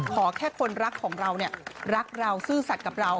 ขอแค่คนรักของเราเนี่ยรักเราซื่อสัตว์กับเรา